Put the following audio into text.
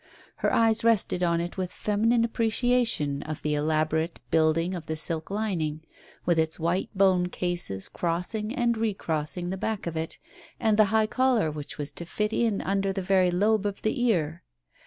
Her eyes rested on it with feminine appreciation of the elaborate building of the silk lining, with its white bone cases crossing and recrossing the back of it, and the high collar which was to fit in under the very lobe of the ear.